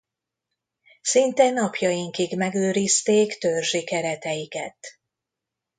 Szinte napjainkig megőrizték törzsi kereteiket.